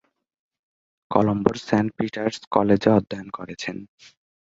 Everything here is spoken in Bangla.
কলম্বোর সেন্ট পিটার্স কলেজে অধ্যয়ন করেছেন।